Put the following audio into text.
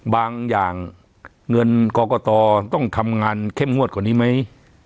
บางอย่างเงินกรกตต้องทำงานเข้มงวดกว่านี้ไหม